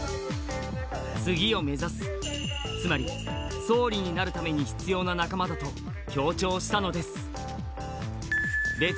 次を目指す、つまり総理になるために必要な仲間だと強調したのです。